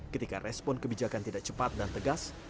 ketika respon kebijakan tidak cepat dan tegas